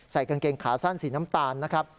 กางเกงขาสั้นสีน้ำตาลนะครับ